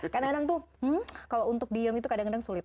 kadang kadang tuh kalau untuk diem itu kadang kadang sulit